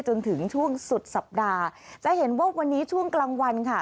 จนถึงช่วงสุดสัปดาห์จะเห็นว่าวันนี้ช่วงกลางวันค่ะ